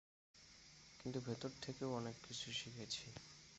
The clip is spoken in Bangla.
কিন্তু, ভেতরে থেকেও অনেক কিছু শিখেছি।